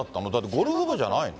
ゴルフ部じゃないの？